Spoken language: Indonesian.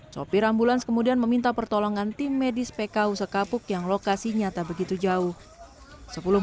sopir ambulans kemudian meminta pertolongan tim medis pku sekapuk yang lokasi nyata begitu jauh